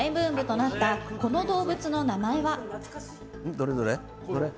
どれどれ？